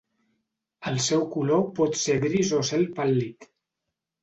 El seu color pot ser gris o cel pàl·lid.